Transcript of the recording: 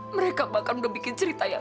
mereka bahkan udah bikin cerita ya